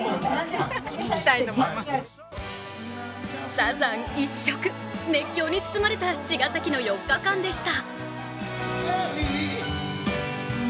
サザン一色、熱狂に包まれた茅ヶ崎の４日間でした。